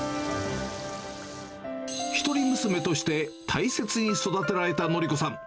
一人娘として、大切に育てられた徳子さん。